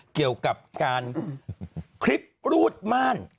เกี่ยวกับการคลิปรูดม่าน